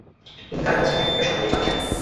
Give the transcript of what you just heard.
তিনি দাররাজ নামে এক পুত্র সন্তানের জন্ম দেন।